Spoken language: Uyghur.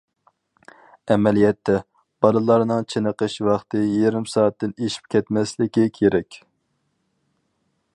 ئەمەلىيەتتە، بالىلارنىڭ چېنىقىش ۋاقتى يېرىم سائەتتىن ئېشىپ كەتمەسلىكى كېرەك.